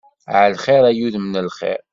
Ɛelxir ay udem n lxir.